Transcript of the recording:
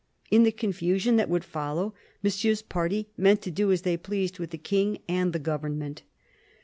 In the confusion that would follow, Mon sieur's party meant to do as they pleased with the King and the government.